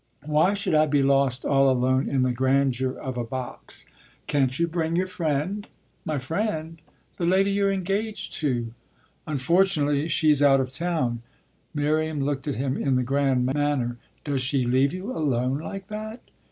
"Why should I be lost, all alone, in the grandeur of a box?" "Can't you bring your friend?" "My friend?" "The lady you're engaged to." "Unfortunately she's out of town." Miriam looked at him in the grand manner. "Does she leave you alone like that?"